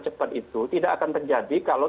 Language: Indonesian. cepat itu tidak akan terjadi kalau